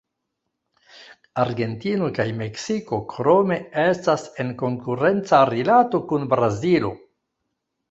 Argentino kaj Meksiko krome estas en konkurenca rilato kun Brazilo.